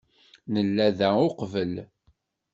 Nella da uqbel.